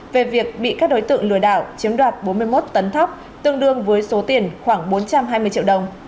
về việc bị các đối tượng lừa đảo chiếm đoạt bốn mươi một tấn thóc tương đương với số tiền khoảng bốn trăm hai mươi triệu đồng